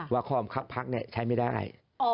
ว่าข้อมคับภักดิ์นี่ใช้ไม่ได้